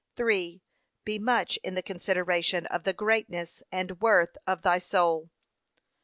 3. Be much in the consideration of the greatness and worth of thy soul.